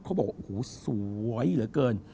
เขาบอกโอ้โหสวยเหลือเกิน